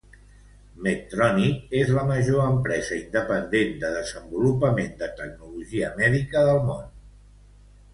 Medtronic és la major empresa independent de desenvolupament de tecnologia mèdica del món.